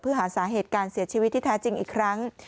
เพื่อหาสาเหตุการเสียชีวิตที่แท้จริงอีกครั้ง